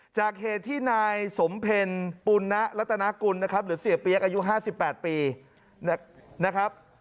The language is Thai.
จากเหตุที่นายสมเพลปุณะรัตนากุลนะครับหรือเสียเปี๊ยกอายุ๕๘ปีนะครับ